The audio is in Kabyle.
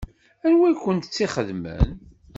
Anwa i kent-tt-ixedmen?